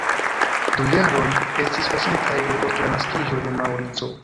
Du jaroj estis pasintaj depost la naskiĝo de Maŭrico.